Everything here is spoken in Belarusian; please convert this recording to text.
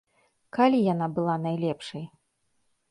Калі яна была найлепшай?